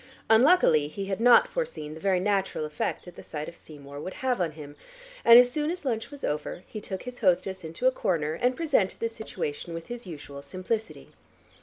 Unluckily he had not foreseen the very natural effect that the sight of Seymour would have on him, and as soon as lunch was over he took his hostess into a corner and presented the situation with his usual simplicity.